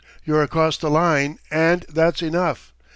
You're across the line, and that's enough.